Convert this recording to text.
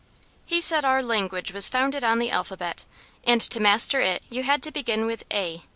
He said our language was founded on the alphabet, and to master it you had to begin with "a".